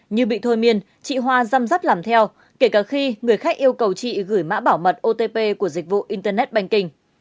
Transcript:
như bị thôi miên chị hoa răm rắp làm theo kể cả khi người khách yêu cầu chị gửi mã bảo mật otp của dịch vụ internet banking